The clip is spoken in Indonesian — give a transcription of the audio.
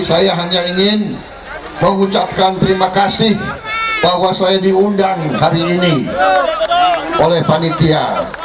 saya hanya ingin mengucapkan terima kasih bahwa saya diundang hari ini oleh panitia